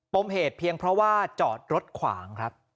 มเหตุเพียงเพราะว่าจอดรถขวางครับ